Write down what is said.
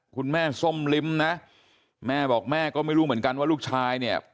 ส้มลิ้มนะแม่บอกแม่ก็ไม่รู้เหมือนกันว่าลูกชายเนี่ย